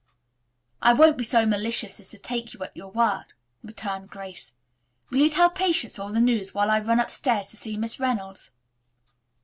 "I won't be so malicious as to take you at your word," returned Grace. "Will you tell Patience all the news while I run upstairs to see Miss Reynolds?"